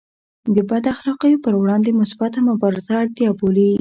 د بد اخلاقیو پر وړاندې مثبته مبارزه اړتیا بولي.